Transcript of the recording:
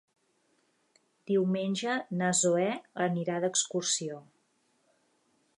Diumenge na Zoè anirà d'excursió.